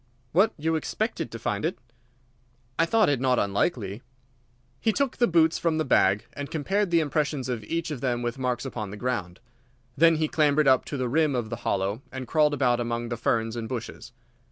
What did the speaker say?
"What! You expected to find it?" "I thought it not unlikely." He took the boots from the bag, and compared the impressions of each of them with marks upon the ground. Then he clambered up to the rim of the hollow, and crawled about among the ferns and bushes.